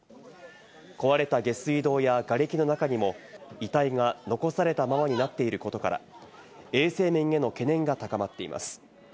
壊れた下水道や、がれきの中にも遺体が残されたままになっていることから、衛生面への懸念が高まっています。